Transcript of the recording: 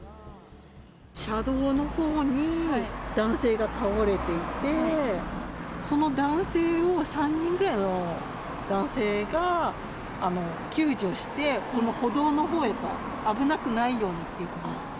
車道のほうに、男性が倒れていて、その男性を３人ぐらいの男性が、救助して、この歩道のほうへと、危なくないようにということで。